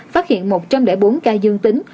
phát hiện một trăm linh bốn ca dương tính